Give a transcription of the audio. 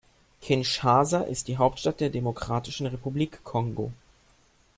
Kinshasa ist die Hauptstadt der Demokratischen Republik Kongo.